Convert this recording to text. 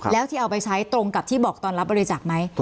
แล้วที่เอาไปใช้ตรงกับที่บอกตอนรับบริจาคไหม